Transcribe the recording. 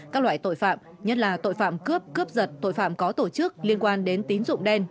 các loại tội phạm nhất là tội phạm cướp cướp giật tội phạm có tổ chức liên quan đến tín dụng đen